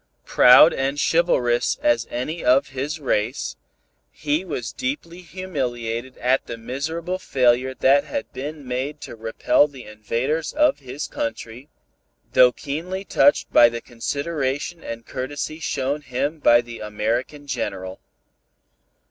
Proud and chivalrous as any of his race, he was deeply humiliated at the miserable failure that had been made to repell the invaders of his country, though keenly touched by the consideration and courtesy shown him by the American General.